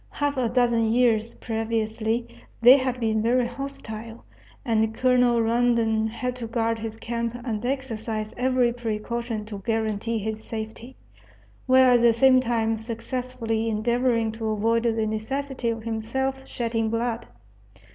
Half a dozen years previously they had been very hostile, and Colonel Rondon had to guard his camp and exercise every precaution to guarantee his safety, while at the same time successfully endeavoring to avoid the necessity of himself shedding blood.